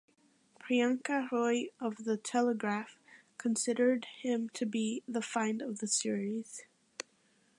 Priyanka Roy of "The Telegraph" considered him to be "the find of the series".